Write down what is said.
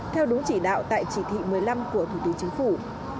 theo đúng chỉ đạo tại chỉ thị một mươi năm của thủ tướng chính phủ